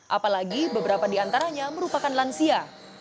apalagi beberapa di antaranya merupakan lansia